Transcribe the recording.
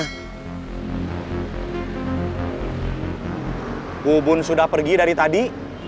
bukit bubun sudah pergi dari tadi